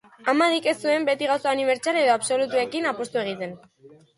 Hamadik ez zuen beti gauza unibertsal edo absolutuekin apustu egiten.